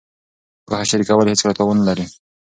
پوهه شریکول هېڅکله تاوان نه لري.